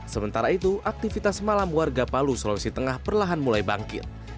sementara itu aktivitas malam warga palu sulawesi tengah perlahan mulai bangkit